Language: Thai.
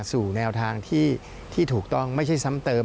สู่แนวทางที่ถูกต้องไม่ใช่ซ้ำเติม